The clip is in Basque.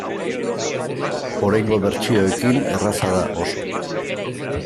Oraingo bertsioekin erraza da, oso.